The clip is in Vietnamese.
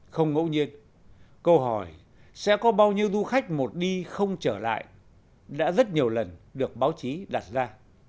không ngẫu nhiên câu hỏi sẽ có bao nhiêu du khách một đi không trở lại đã rất nhiều lần được báo chí đặt ra